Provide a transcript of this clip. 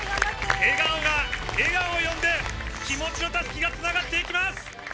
笑顔が、笑顔を呼んで、気持ちのたすきがつながっていきます。